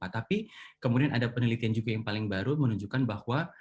tapi kemudian ada penelitian juga yang paling baru menunjukkan bahwa